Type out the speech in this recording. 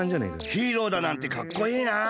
ヒーローだなんてかっこいいなあ。